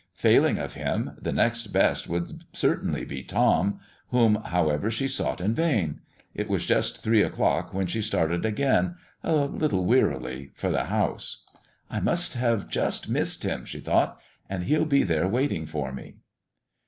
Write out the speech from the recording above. Failing of him, the next best would certainly be Tom; whom, however, she sought in vain. It was just three o'clock when she started again, a little wearily, for the house. "I must have just missed him," she thought, "and he'll be there waiting for me."